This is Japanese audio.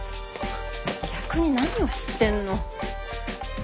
逆に何を知ってんの？